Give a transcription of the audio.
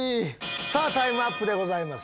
さぁタイムアップでございます。